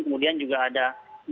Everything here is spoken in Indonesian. kemudian juga ada bangunan